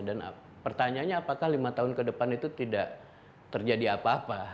dan pertanyaannya apakah lima tahun ke depan itu tidak terjadi apapun